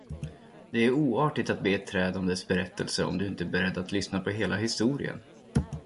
Det är oartigt att be ett träd om dess berättelse om du inte är beredd att lyssna på hela historien.